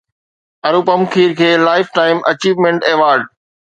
انوپم کير کي lifetime achievement award